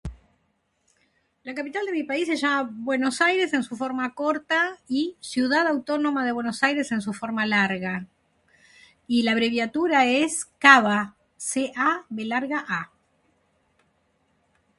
La capital de mi país se llama Buenos Aires en su forma corta y Ciudad Autónoma de Buenos Aires en su forma larga. Y la abreviatura es CABA: ce, a, be larga, a.